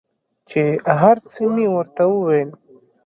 چې هر څه مې ورته وويل.